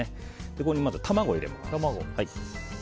ここに卵を入れます。